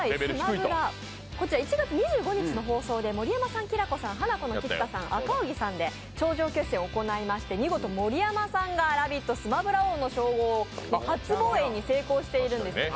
１月２５日の放送で盛山さん、きらこさん、ハナコの菊田さん赤荻さんで頂上決戦を行いまして、見事、盛山さんが「ラヴィット！スマブラ王」の称号を初防衛に成功してるんですね。